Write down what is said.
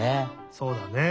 そうだね。